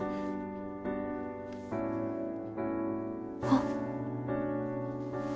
あっ。